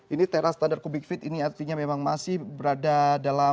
ini tera standar combic fit ini artinya memang masih berada dalam